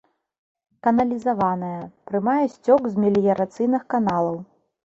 Каналізаваная, прымае сцёк з меліярацыйных каналаў.